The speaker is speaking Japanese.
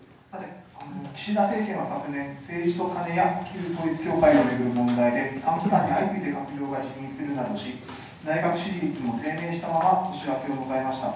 岸田政権は昨年、や旧統一教会を巡る問題で、短期間に相次いで閣僚が辞任するなどし、内閣支持率も低迷したまま年明けを迎えました。